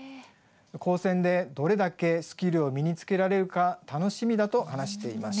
高専でどれだけスキルを身につけられるか楽しみだと話していました。